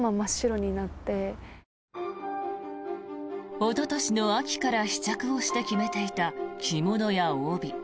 おととしの秋から試着をして決めていた着物や帯。